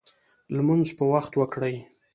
لمونځ په وخت وکړئ